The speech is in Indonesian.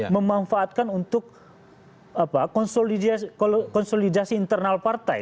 memanfaatkan untuk konsolidasi internal partai